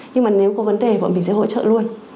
nhưng mà nếu có vấn đề bọn mình sẽ hỗ trợ luôn